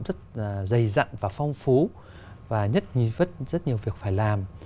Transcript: rất phú và rất nhiều việc phải làm